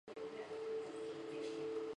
大院君曾想让他取代高宗为朝鲜国王。